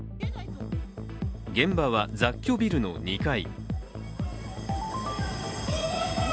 現場は雑居ビルの２階。